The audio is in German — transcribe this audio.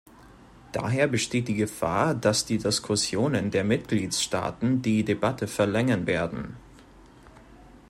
Daher besteht die Gefahr, dass die Diskussionen der Mitgliedstaaten die Debatte verlängern werden.